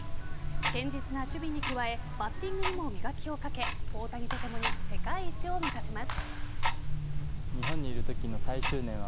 堅実な守備に加えバッティングにも磨きをかけ大谷とともに世界一を目指します。